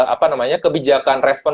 apa namanya kebijakan respon